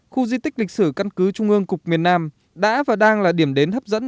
khu di tích lịch sử căn cứ trung ương cục miền nam đã và đang là điểm đến hấp dẫn